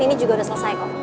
ini juga sudah selesai kok